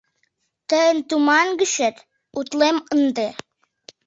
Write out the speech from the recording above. Тыйын туман гычет утлем ынде.